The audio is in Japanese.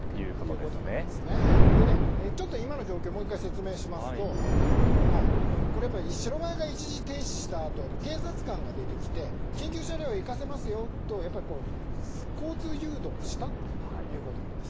ちょっと今の状況をもう１回、説明しますと白バイが一時停止したあと警察官が出てきて緊急車両を行かせますよと交通誘導をしたということです。